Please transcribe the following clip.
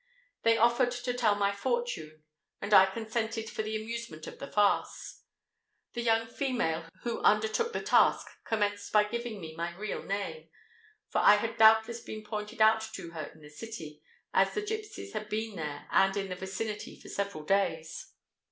They offered to tell my fortune; and I consented for the amusement of the farce. The young female who undertook the task commenced by giving me my real name; for I had doubtless been pointed out to her in the city, as the gipsies had been there and in the vicinity for several days.